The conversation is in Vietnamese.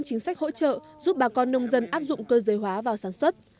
các bà con nông dân áp dụng cơ giới hóa vào sản xuất